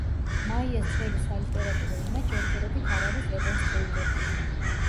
მაიას ძველი სალიტერატურო ენა ჯერჯერობით არ არის რეკონსტრუირებული.